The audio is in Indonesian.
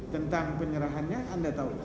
tentang penyerahannya anda tahu